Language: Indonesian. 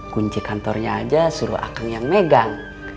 kunci kantornya aja suruh akang yang megang